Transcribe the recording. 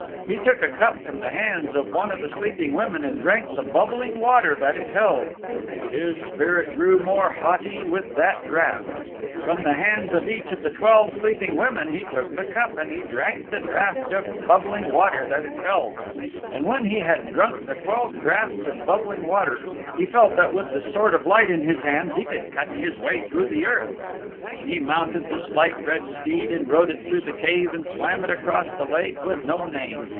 He took a cup from the hands of one of the sleeping women and drank the bubbling water that it held. His spirit grew more haughty with that draught. From the hands of each of the twelve sleeping women he took the cup and he drank the draught of bubbling water that it held. And when he had drunk the twelve draughts of bubbling water he felt that with the Sword of Light in his hands he could cut his way through the earth. He mounted the Slight Red Steed and rode it through the Cave and swam it across the Lake with No Name.